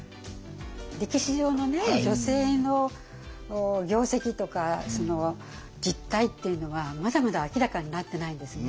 歴史上のね女性の業績とか実態っていうのはまだまだ明らかになってないんですね。